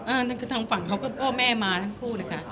นั่นคือทางฝั่งเขาก็พ่อแม่มาทั้งคู่นะคะ